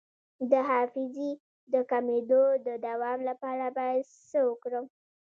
د حافظې د کمیدو د دوام لپاره باید څه وکړم؟